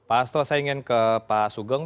kalau saya ingin ke pak sugeng